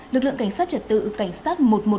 lực lượng cảnh sát trật tự cảnh sát một trăm một mươi một